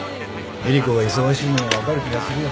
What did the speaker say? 絵里子が忙しいのも分かる気がするよ。